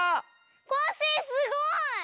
コッシーすごい！